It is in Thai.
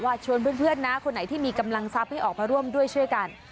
ชวนเพื่อนนะคนไหนที่มีกำลังทรัพย์ให้ออกมาร่วมด้วยช่วยกัน